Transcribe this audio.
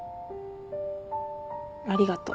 ありがとう。